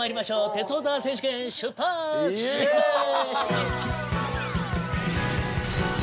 「鉄オタ選手権」出発進行！